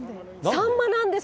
サンマなんです。